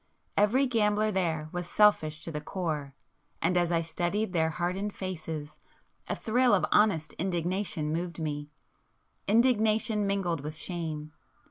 Every gambler there was selfish to the core, and as I studied their hardened faces, a thrill of honest indignation moved me,—indignation mingled with shame.